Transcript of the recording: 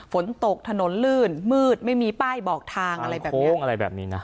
ฝนตกถนนลื่นมืดไม่มีป้ายบอกทางอะไรแบบนี้ช่วงอะไรแบบนี้นะ